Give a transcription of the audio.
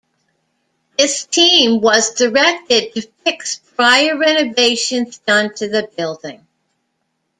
This team was directed to fix prior renovations done to the buildings.